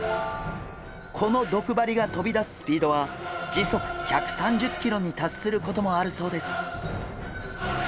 この毒針が飛び出すスピードは時速１３０キロに達することもあるそうです。